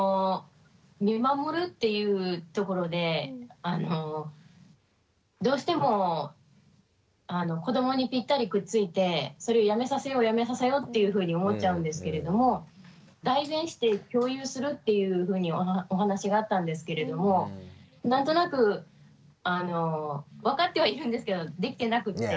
見守るっていうところでどうしても子どもにぴったりくっついてそれをやめさせようやめさせようっていうふうに思っちゃうんですけれども代弁して共有するっていうふうにお話があったんですけれども何となくわかってはいるんですけどできてなくって。